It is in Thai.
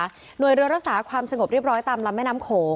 หน่วยเรือรักษาความสงบเรียบร้อยตามลำแม่น้ำโขง